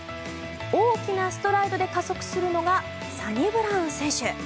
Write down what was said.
大きなストライドで加速するのがサニブラウン選手。